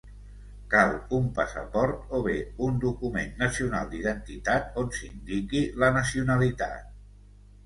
Cal un passaport o bé un document nacional d'identitat on s'indiqui la nacionalitat.